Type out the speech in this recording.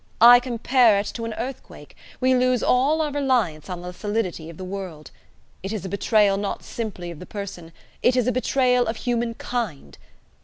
I compare it to an earthquake: we lose all our reliance on the solidity of the world. It is a betrayal not simply of the person; it is a betrayal of humankind.